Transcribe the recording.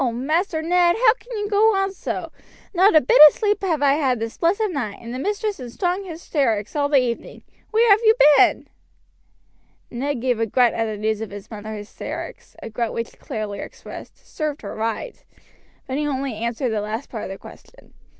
Master Ned, how can you go on so? Not a bit of sleep have I had this blessed night, and the mistress in strong hystrikes all the evening. Where have you been?" Ned gave a grunt at the news of his mother's hysterics a grunt which clearly expressed "served her right," but he only answered the last part of the question.